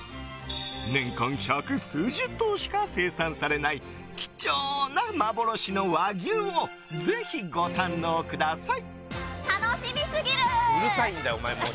年間百数十頭しか生産されない貴重な幻の和牛をぜひご堪能ください！